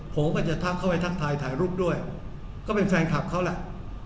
ผมก็จะทักเข้าไปทักทายถ่ายรูปด้วยก็เป็นแฟนคลับเขาแหละ